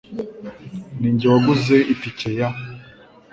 Ninjye waguze itike ya .